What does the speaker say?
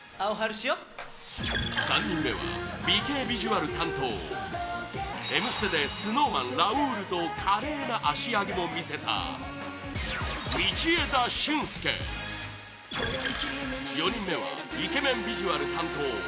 ３人目は美形ビジュアル担当「Ｍステ」でＳｎｏｗＭａｎラウールと華麗な足上げも見せた道枝駿佑４人目はイケメンビジュアル担当